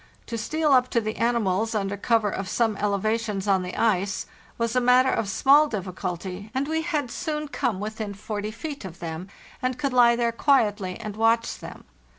To steal up to the animals, under cover of some elevations on the ice, was a matter of small difficulty, and we had soon come within 4o feet of them, and could lie there quietly and watch them.